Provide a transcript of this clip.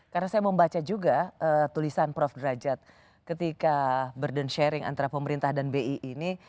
karena saya mau baca juga tulisan prof derajat ketika burden sharing antara pemerintah dan bi ini